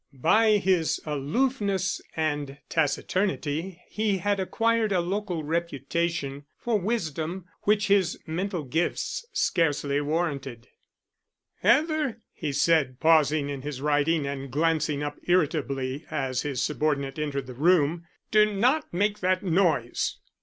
By his aloofness and taciturnity he had acquired a local reputation for wisdom, which his mental gifts scarcely warranted. "Heather," he said, pausing in his writing and glancing up irritably as his subordinate entered the room, "do not make that noise."